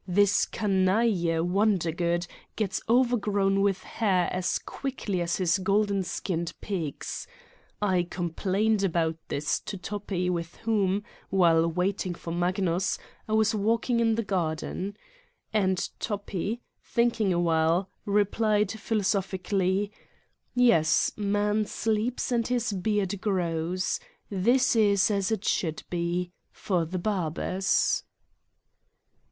This canaille Wonder good gets overgrown with hair as quickly as his golden skinned pigs. I complained about this to Toppi with whom, while waiting for Magnus. I 32 Satan's Diary was walking in the garden. And Toppi, thinking a while, replied philosophically: "Yes, man sleeps and his beard grows. This is as it should be for the barbers